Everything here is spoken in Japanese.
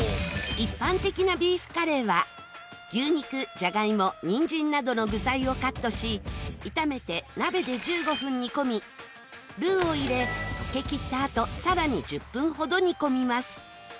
一般的なビーフカレーは牛肉じゃがいもにんじんなどの具材をカットし炒めて鍋で１５分煮込みルーを入れ溶けきったあと更に１０分ほど煮込みます。